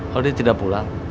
kalo dia tidak pulang